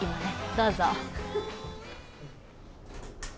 どうぞ！